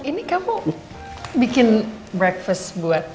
ini kamu bikin breakfast buat mama